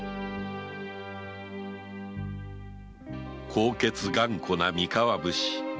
高潔頑固な三河武士。